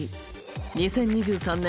２０２３年